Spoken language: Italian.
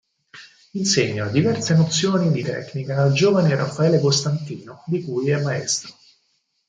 Insegna diverse nozioni di tecnica al giovane Raffaele Costantino, di cui è un maestro.